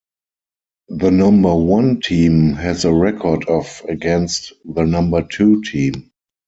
The number one team has a record of against the number two team.